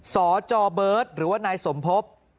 สจเบิร์ตหรือว่านายสมภพ